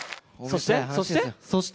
そして？